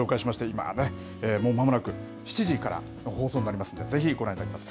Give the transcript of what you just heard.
今ね、もうまもなく７時から放送になりますので、ぜひご覧いただきます。